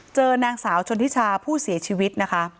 เจอนางสาวชนทิชาผู้เสียชีวิตนะคะ